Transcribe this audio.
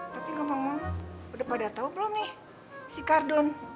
tapi ngomong ngomong udah pada tahu belum nih si kardon